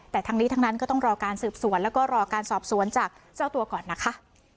แต่ทั้งนี้ทั้งนั้นก็ต้องรอการสืบสวนแล้วก็รอการสอบสวนจากเจ้าตัวก่อนนะคะ